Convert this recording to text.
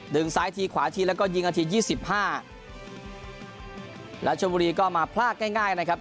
ซ้ายทีขวาทีแล้วก็ยิงนาทียี่สิบห้ารัชบุรีก็มาพลาดง่ายง่ายนะครับ